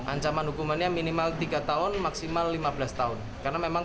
ancaman hukumannya minimal tiga tahun maksimal lima belas tahun